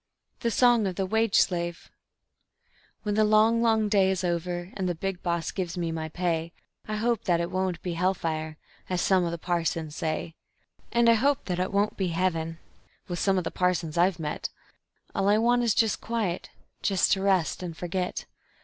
The Song of the Wage Slave When the long, long day is over, and the Big Boss gives me my pay, I hope that it won't be hell fire, as some of the parsons say. And I hope that it won't be heaven, with some of the parsons I've met All I want is just quiet, just to rest and forget.